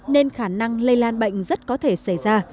nên khả năng lây lan bệnh rất có thể xảy ra